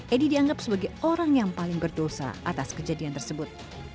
edi dianggap sebagai orang yang paling berdosa atas kejadian tersebut